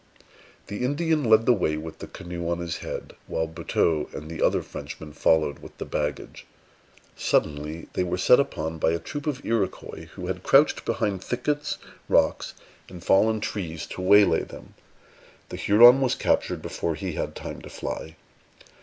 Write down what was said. The Indian led the way with the canoe on his head, while Buteux and the other Frenchman followed with the baggage. Suddenly they were set upon by a troop of Iroquois, who had crouched behind thickets, rocks, and fallen trees, to waylay them. The Huron was captured before he had time to fly.